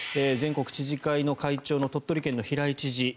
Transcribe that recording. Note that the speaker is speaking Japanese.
全国知事会の会長の鳥取県の平井知事。